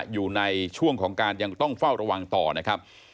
อยู่ในช่วงของการยังต้องเฝ้าระวังต่อนะครับ